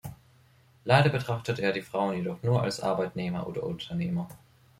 Leider betrachtet er die Frauen jedoch nur als Arbeitnehmer oder Unternehmer.